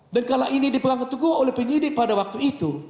dan kalau ini dipelanggut pelanggut oleh penyidik pada waktu itu